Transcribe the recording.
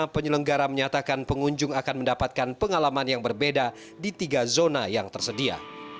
penyelenggara menyatakan pengunjung akan mendapatkan pengalaman yang berbeda di tiga zona yang tersedia